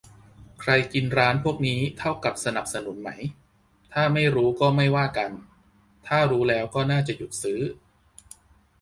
ใครกินร้านพวกนี้เท่ากับสนับสนุนไหม ถ้าไม่รู้ก็ไม่ว่ากัน ถ้ารู้แล้วก็น่าจะหยุดซื้อ